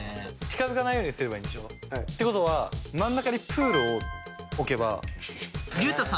近づかないようにすればいいんでしょ？ってことは真ん中に。